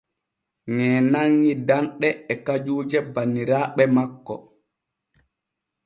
Ŋee nanŋi danɗe et kajuuje banniraaɓe makko.